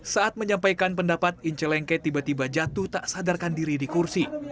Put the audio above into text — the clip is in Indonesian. saat menyampaikan pendapat ince lengke tiba tiba jatuh tak sadarkan diri di kursi